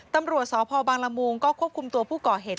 ตำรวจสพบางละมุงก็ควบคุมตัวผู้ก่อเหตุ